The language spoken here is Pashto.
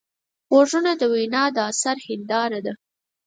غوږونه د وینا د اثر هنداره ده